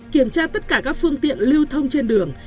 kiểm tra tất cả các phương tiện lưu thông trên đường